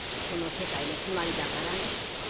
この世界の決まりだからね。